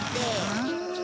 うん。